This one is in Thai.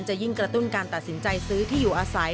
จะยิ่งกระตุ้นการตัดสินใจซื้อที่อยู่อาศัย